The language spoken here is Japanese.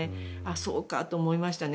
そうかと思いましたね。